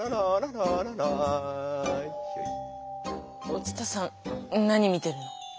お伝さん何見てるの？